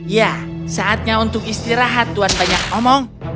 ya saatnya untuk istirahat tuan banyak omong